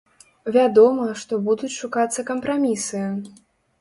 Вядома, што будуць шукацца кампрамісы.